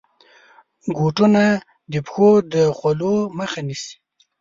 بوټونه د پښو د خولو مخه نیسي.